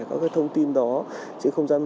các thông tin đó